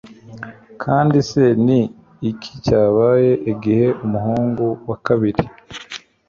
kandi se ni iki cyabaye igihe umuhungu wa kabiri